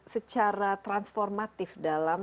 secara transformatif dalam